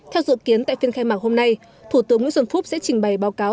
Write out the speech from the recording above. theo dự kiến tại phiên khai mạc hôm nay thủ tướng nguyễn xuân phúc sẽ trình bày báo cáo